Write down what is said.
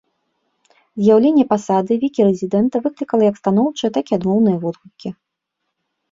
З'яўленне пасады вікі-рэзідэнта выклікала як станоўчыя, так і адмоўныя водгукі.